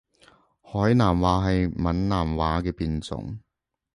海南話係閩南話嘅變種